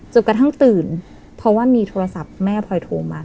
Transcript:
จนกระทั่งตื่นเพราะว่ามีโทรศัพท์แม่พลอยโทรมา